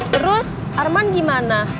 terus arman gimana